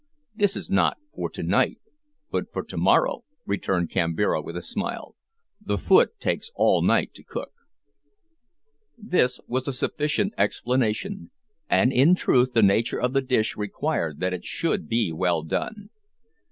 "This is not for to night, but for to morrow," returned Kambira, with a smile. "The foot takes all night to cook." This was a sufficient explanation, and in truth the nature of the dish required that it should be well done.